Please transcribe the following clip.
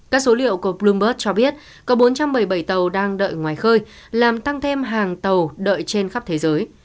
các số liệu của bloomberg cho biết có bốn trăm một mươi bảy tàu đang đợi ngoài khơi làm tăng thêm hàng tàu đợi trên khắp thế giới